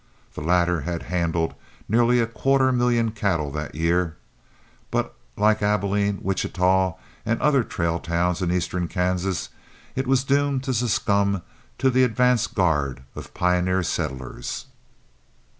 The latter had handled nearly a quarter million cattle that year, but like Abilene, Wichita, and other trail towns in eastern Kansas, it was doomed to succumb to the advance guard of pioneer settlers.